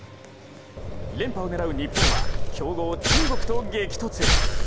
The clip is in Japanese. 連覇を狙う日本は強豪・中国と激突。